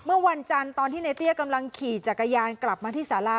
เมื่อวันจันทร์ตอนที่ในเตี้ยกำลังขี่จักรยานกลับมาที่สารา